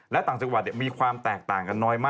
และต่างจังหวัดมีความแตกต่างกันน้อยมาก